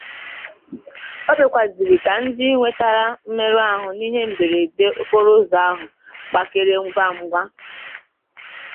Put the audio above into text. O kpekwazịrị ka ndị nwetara mmerụahụ n'ihe mberede okporo ụzọ ahụ gbakere mgwamgwa